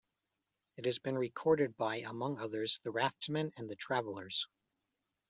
It has been recorded by, among others, The Raftsmen and The Travellers.